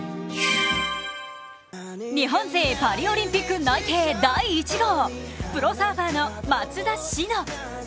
日本勢パリオリンピック内定第１号、プロサーファーの松田詩野。